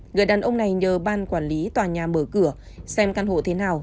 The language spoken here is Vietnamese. người đàn ông này nhờ ban quản lý tòa nhà mở cửa xem căn hộ thế nào